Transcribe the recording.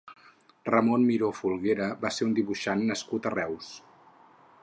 Ramon Miró Folguera va ser un dibuixant nascut a Reus.